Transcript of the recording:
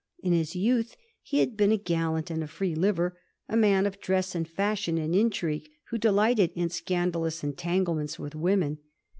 In his youth he had been a gallant and a fi*ee liver, a man of dress and fashion and intrigue, who delighted in scandalous entanglements with women.